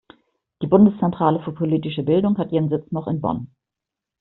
Die Bundeszentrale für politische Bildung hat ihren Sitz noch in Bonn.